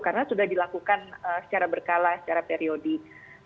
karena sudah dilakukan secara berkala secara periodik